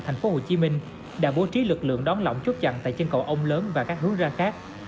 thành phố hồ chí minh đã bố trí lực lượng đón lỏng chốt chặn tại chân cầu ông lớn và các hướng ra khác